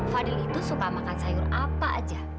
fadil itu suka makan sayur apa aja